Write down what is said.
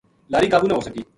لاری قابو نہ ہوسکی